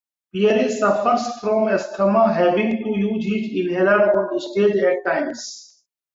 Pierre suffers from asthma, having to use his inhaler on stage at times.